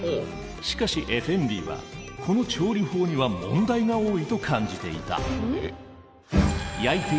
しかしエフェンディはこの調理法には問題が多いと感じていた。